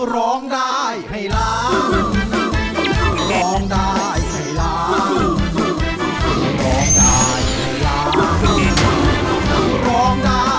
ร้องได้ให้ล้าน